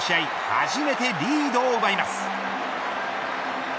初めてリードを奪います。